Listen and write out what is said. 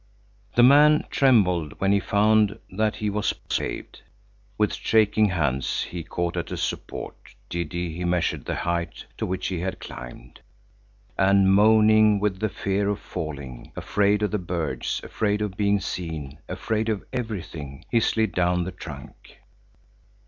The man trembled when he found that he was saved. With shaking hands he caught at a support, giddy he measured the height to which he had climbed. And moaning with the fear of falling, afraid of the birds, afraid of being seen, afraid of everything, he slid down the trunk.